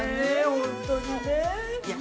◆本当にね。